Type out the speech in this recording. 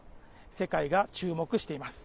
世界が注目しています。